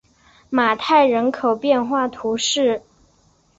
马泰人口变化图示